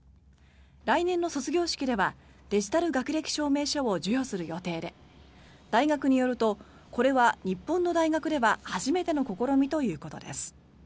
来年の卒業式ではデジタル学歴証明書を授与する予定で大学によるとこれは日本の大学では初めての試みということです。